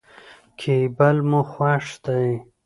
کېبل مو خوښ دی.